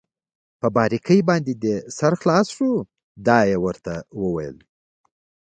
په باریکۍ باندې دې سر خلاص شو؟ دا يې ورته وویل.